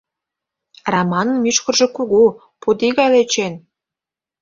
Раманын мӱшкыржӧ кугу, пудий гай лӧчен.